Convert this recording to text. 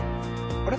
あれ？